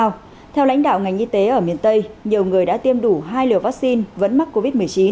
với các tỉnh tạo ngành y tế ở miền tây nhiều người đã tiêm đủ hai liều vắc xin vẫn mắc covid một mươi chín